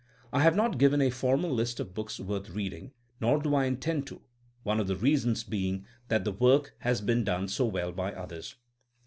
I have not given a formal list of books worth reading, nor do I intend to; one of the reasons being that the work has been done so well by others.